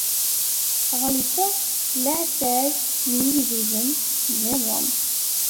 Ɣellten leɛtab n yigduden-nniḍen.